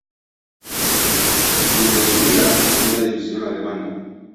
Bundesliga, segunda división alemana.